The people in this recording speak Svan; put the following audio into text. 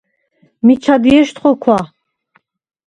მიჩა დიეშდ ხოქვა: